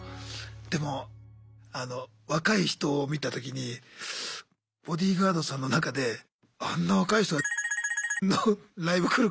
でもあの若い人を見た時にボディーガードさんの中であんな若い人がのライブ来るかなって。